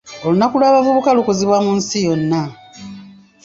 Olunaku lw'abavubuka lukuzibwa mu nsi yonna.